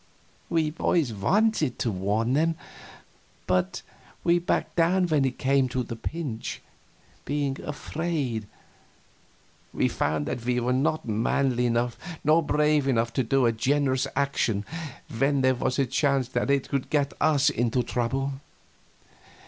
We boys wanted to warn them, but we backed down when it came to the pinch, being afraid. We found that we were not manly enough nor brave enough to do a generous action when there was a chance that it could get us into trouble.